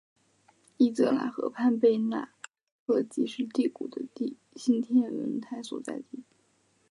伊泽拉河畔贝纳特基是第谷的新天文台所在地。